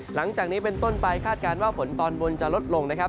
หลังจากนี้เป็นต้นไปคาดการณ์ว่าฝนตอนบนจะลดลงนะครับ